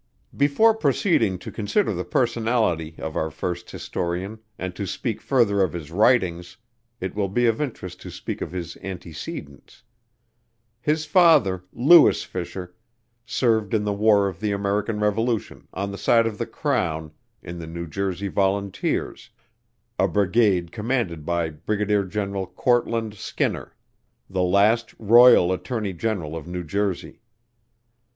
Before proceeding to consider the personality of our first historian and to speak further of his writings, it will be of interest to speak of his antecedents. His father, Lewis Fisher, served in the war of the American Revolution, on the side of the crown, in the New Jersey Volunteers, a brigade commanded by Brigadier General Cortlandt Skinner, the last Royal Attorney General of New Jersey.